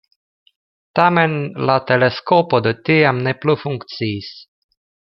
Tamen, la teleskopo de tiam ne plu funkciis.